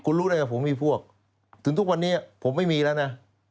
คุณรู้ได้ว่าผมมีพวกถึงทุกวันนี้ผมไม่มีแล้วนะ